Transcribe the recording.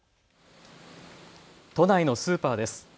都内のスーパーです。